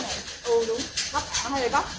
ừ đúng bắp hay lấy bắp